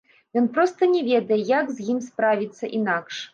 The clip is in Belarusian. Ён проста не ведае, як з ім справіцца інакш.